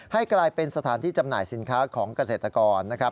ให้กลายเป็นสถานที่จำหน่ายสินค้าของเกษตรกรนะครับ